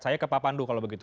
saya ke pak pandu kalau begitu